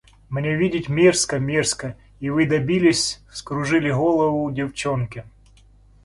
Мне видеть мерзко, мерзко, и вы добились, вскружили голову девчонке.